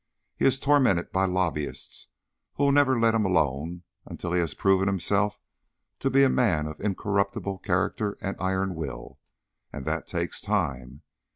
He is tormented by lobbyists who will never let him alone until he has proved himself to be a man of incorruptible character and iron will; and that takes time.